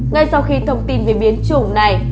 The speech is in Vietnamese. ngay sau khi thông tin về biến chủng này